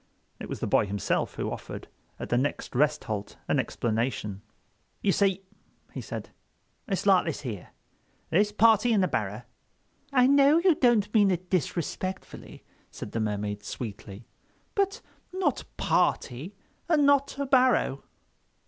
It was the boy himself who offered, at the next rest halt, an explanation. "You see," he said, "it's like this here. This party in the barrow—" "I know you don't mean it disrespectfully," said the Mermaid, sweetly; "but not party—and not a barrow."